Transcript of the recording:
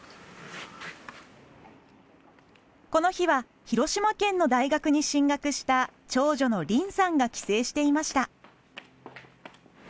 この日は広島県の大学に進学した長女の凜さんが帰省していました。